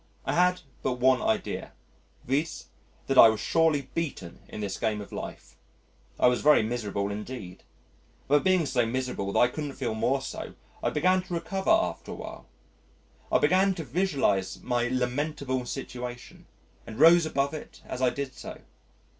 I had but one idea, viz., that I was surely beaten in this game of life. I was very miserable indeed. But being so miserable that I couldn't feel more so, I began to recover after a while. I began to visualise my lamentable situation, and rose above it as I did so.